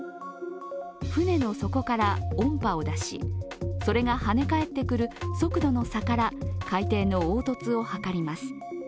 船の底から音波を出しそれがはね返ってくる速度の差から海底の凹凸を測ります。